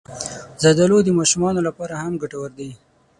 زردالو د ماشومانو لپاره هم ګټور دی.